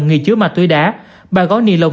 nghi chứa ma túy đá ba gói ni lông